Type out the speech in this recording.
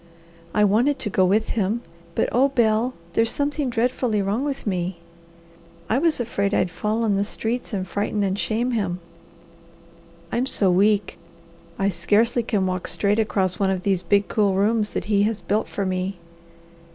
I wanted to go with him, but oh Bel, there's something dreadfully wrong with me. I was afraid I'd fall on the streets and frighten and shame him. I'm so weak, I scarcely can walk straight across one of these big, cool rooms that he has built for me.